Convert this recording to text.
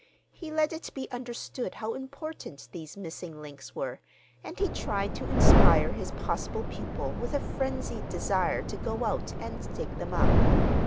He let it be understood how important these missing links were, and he tried to inspire his possible pupil with a frenzied desire to go out and dig them up.